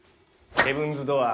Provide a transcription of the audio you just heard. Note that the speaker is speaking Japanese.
ヘブンズ・ドアー。